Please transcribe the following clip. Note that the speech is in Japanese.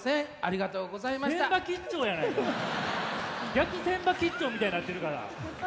逆船場吉兆みたいになってるから！